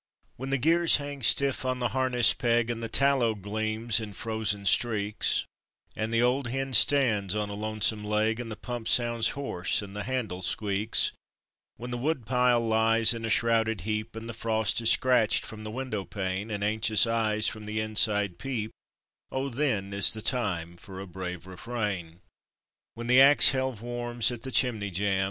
When the gears hang stiff on the harness peg, And the tallow gleams in frozen streaks: And the old hen stands on a lonesome leg, And the pump sounds hoarse and the handle squeaks; When the woodpile lies in a shrouded heap, And the frost is scratched from the window pane, And anxious eyes from the inside peep O then is the time for a brave refrain! When the ax helve warms at the chimney jamb!